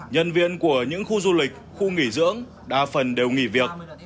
nhân viên của những khu du lịch khu nghỉ dưỡng đa phần đều nghỉ việc